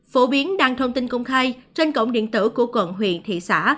phổ biến đăng thông tin công khai trên cổng điện tử của quận huyện thị xã